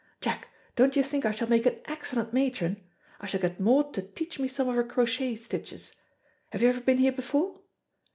Jack, don't you think I shall make an excellent matron? I shall get Maud to teach me some of her crochet stitches. Have you ever been here before?